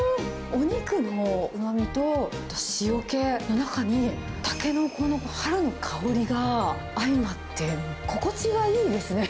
お肉のうまみと塩気の中に、タケノコの春の香りが相まって、心地がいいですね。